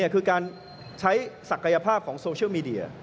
คือการใช้ศักยภาพของโซเชียลมีเดีย